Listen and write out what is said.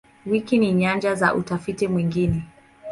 Wiki ni nyanja za utafiti mwingi.